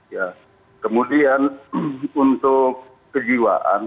ya kemudian untuk kejiwaan